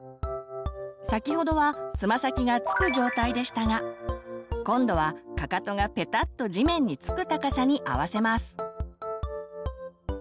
先ほどはつま先が着く状態でしたが今度はかかとがペタッと地面に着く高さに合わせます。